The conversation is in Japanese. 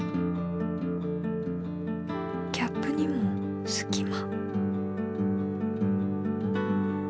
キャップにもすき間。